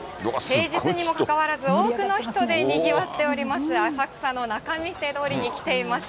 平日にもかかわらず多くの人でにぎわっております、浅草の仲見世通りに来ています。